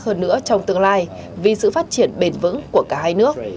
hơn nữa trong tương lai vì sự phát triển bền vững của cả hai nước